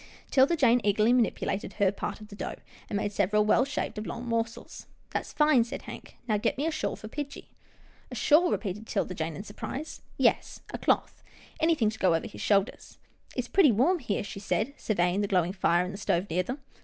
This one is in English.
'Tilda Jane eagerly manipulated her part of the dough, and made several well shaped, oblong mor sels. " That's fine," said Hank. " Now get me a shawl for pidgie." LITTLE HOUSETOP 151 " A shawl !" repeated 'Tilda Jane in surprise. " Yes, a cloth, anything to go over his shoulders." " It's pretty warm here," she said, surveying the glowing fire in the stove near them.